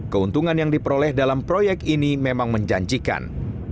keuntungan yang diperoleh dalam proyek ini memang menjanjikan